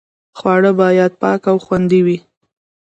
خواړه باید پاک او خوندي وي.